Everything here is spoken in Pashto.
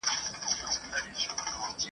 راسه جهاني چي دا بوډۍ شېبې دي مستي کو !.